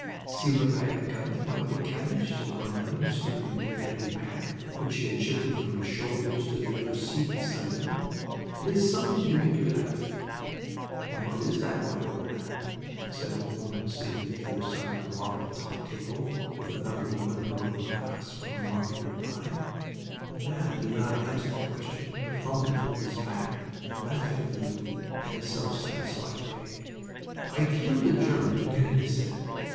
"See what I have got, my little cabbage," said one of them, stooping to the heavy pack which he had shifted from his shoulders to the other seat beside him. "It is something to make you laugh." "And what is that, my old one?" said a woman sitting on the other side of the marble topped table, with another woman of her own class, from the market nearby. The man did not answer the question, but fumbled into his pack, laughing a little in a self satisfied way. "I killed a German to get it," he said.